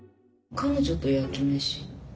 彼女の焼き飯？